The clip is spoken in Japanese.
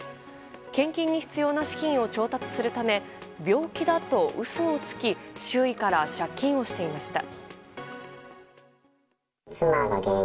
献金に必要な資金を調達するため病気だと嘘をつき周囲から借金をしていました。